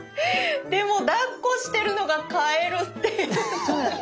でもだっこしてるのがカエルっていう。